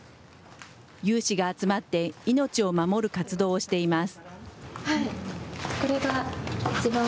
有志が集まって命を守る活動をしています。